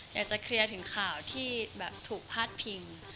อยากจะเคลียร์ถึงข่าวที่แบบถูกพาดพิง